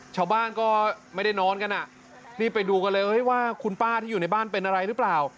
ชาวบ้านก็ไม่ได้นอนกันอ่ะรีบไปดูกันเลยว่าคุณป้าที่อยู่ในบ้านเป็นอะไรหรือเปล่า